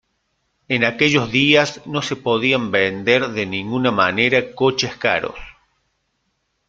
En aquellos días no se podían vender de ninguna manera coches caros.